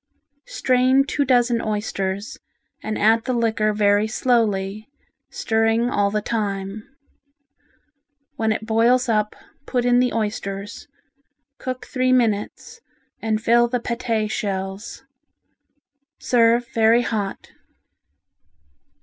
Strain two dozen oysters and add the liquor very slowly, stirring all the time. When it boils up, put in the oysters, cook three minutes and fill the paté shells. Serve very hot.